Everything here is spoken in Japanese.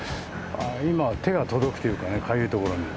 今手が届くというかねかゆいところに。